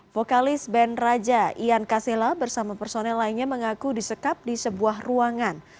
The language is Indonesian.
vokalis band raja ian kasela bersama personel lainnya mengaku disekap di sebuah ruangan